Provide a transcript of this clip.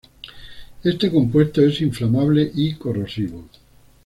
Este compuesto es inflamable y corrosivo.